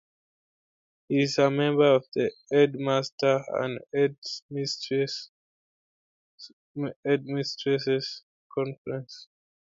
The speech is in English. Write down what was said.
He is a member of the Headmasters' and Headmistresses Conference.